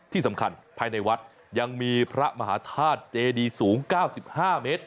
ภายในวัดยังมีพระมหาธาตุเจดีสูง๙๕เมตร